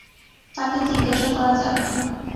তাকে জিজ্ঞাসা করা যাক।